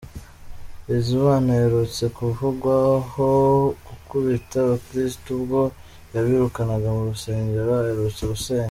Bizimana aherutse kuvugwaho gukubita abakristo ubwo yabirukanaga mu rusengero aherutse gusenya.